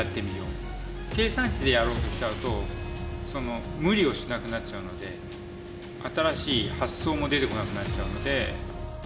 計算値でやろうとしちゃうと無理をしなくなっちゃうので新しい発想も出てこなくなっちゃうので。